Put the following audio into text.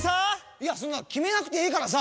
いやそんなキメなくていいからさ。